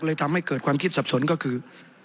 ทำให้เกิดความคิดสับสนก็คือ